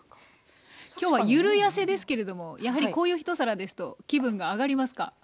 きょうはゆるやせですけれどもやはりこういうひと皿ですと気分が上がりますか？